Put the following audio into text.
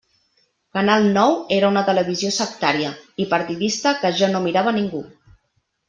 Canal Nou era una televisió sectària i partidista que ja no mirava ningú.